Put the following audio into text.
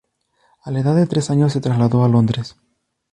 A la edad de tres años se trasladó a Londres.